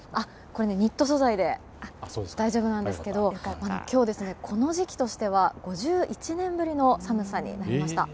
これはニット素材なので大丈夫なんですが今日、この時期としては５１年ぶりの寒さになりました。